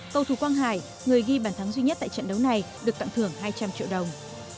cầu thủ quang hải người ghi bản thắng duy nhất tại trận đấu này được tặng thưởng hai trăm linh triệu đồng